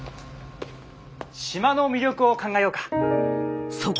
島の魅力を考えようか。